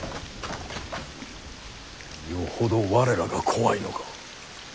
よほど我らが怖いのか？